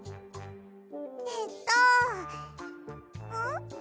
えっとん？